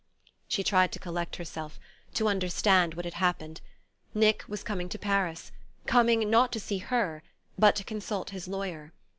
She tried to collect herself to understand what had happened. Nick was coming to Paris coming not to see her but to consult his lawyer!